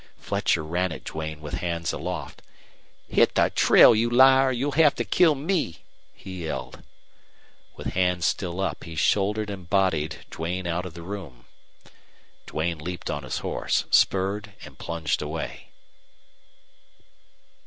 Fletcher ran at Duane with hands aloft. "Hit the trail, you liar, or you'll hev to kill me!" he yelled. With hands still up, he shouldered and bodied Duane out of the room. Duane leaped on his horse, spurred, and plunged away.